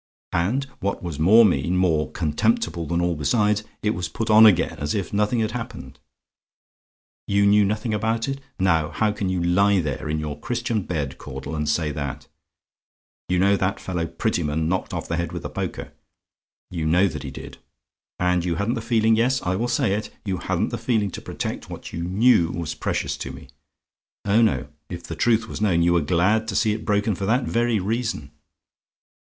And what was more mean, more contemptible than all besides, it was put on again, as if nothing had happened. "YOU KNEW NOTHING ABOUT IT? "Now, how can you lie there, in your Christian bed, Caudle, and say that? You know that that fellow, Prettyman, knocked off the head with the poker! You know that he did. And you hadn't the feeling yes, I will say it you hadn't the feeling to protect what you knew was precious to me. Oh no, if the truth was known, you were glad to see it broken for that very reason.